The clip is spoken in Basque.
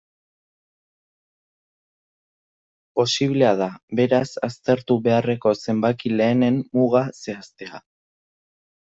Posiblea da, beraz, aztertu beharreko zenbaki lehenen muga zehaztea.